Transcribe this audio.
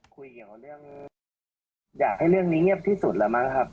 เกี่ยวเรื่องอยากให้เรื่องนี้เงียบที่สุดแล้วมั้งครับ